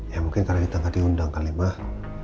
ya mungkin karena kita gak diundang kali mah